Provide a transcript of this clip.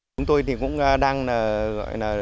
chúng tôi thì cũng đang